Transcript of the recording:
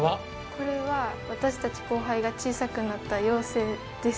これは私たち後輩が小さくなった妖精です。